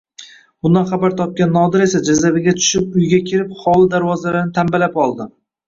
Bundan xabar topgan Nodir esa jazavaga tushib uyiga kirib, hovli darvozalarini tamballab oldi